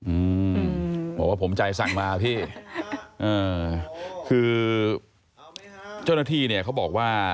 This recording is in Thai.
อืมบอกว่าผมใจสั่งมาพี่อ่าคือเจ้าหน้าที่เนี่ยเขาบอกว่า